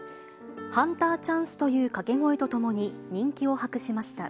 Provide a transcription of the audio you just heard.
ハンターチャンス！という掛け声とともに人気を博しました。